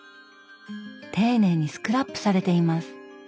丁寧にスクラップされています。